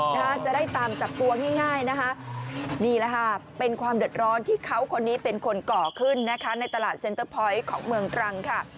จะได้ตามจับตัวง่ายง่ายนะคะนี่แหละค่ะเป็นความเดือดร้อนที่เขาคนนี้เป็นคนก่อขึ้นนะคะในตลาดเซ็นเตอร์พอยต์ของเมืองตรังค่ะ